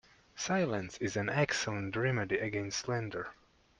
Silence is an excellent remedy against slander.